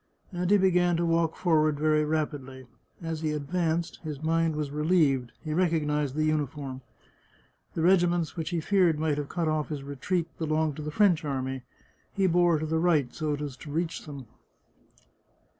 And he be gan to walk forward very rapidly. As he advanced, his mind was relieved; he recognised the uniform. The regi ments which he feared might have cut off his retreat be longed to the French army; he bore to the right, so as to reach them.